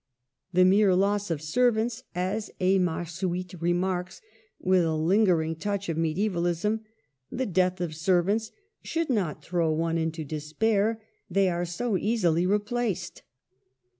" The mere loss of servants, — as Emarsuitte remarks, with a lin eerinp" touch of mediaevalism, — the death of servants should not throw one into despair, they are so easily replaced.